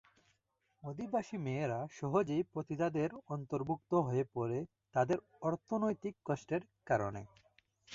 অভিবাসী মেয়েরা সহজেই পতিতাদের অন্তর্ভুক্ত হয়ে পড়ে তাদের অর্থনৈতিক কষ্টের কারণে।